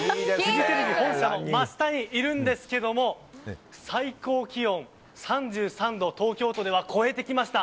フジテレビ本社の真下にいるんですけども最高気温３３度東京都では超えてきました。